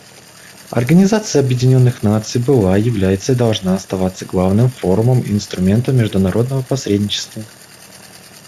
Организация Объединенных Наций была, является и должна оставаться главным форумом и инструментом международного посредничества.